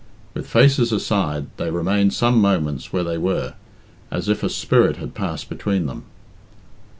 With faces aside, they remained some moments where they were, as if a spirit had passed between them.